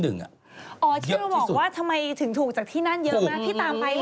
อ๋อชื่อเราบอกว่าทำไมถึงถูกจากที่นั่นเยอะนะ